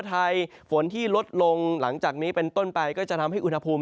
ไทยฝนที่ลดลงหลังจากนี้เป็นต้นไปก็จะทำให้อุณหภูมิ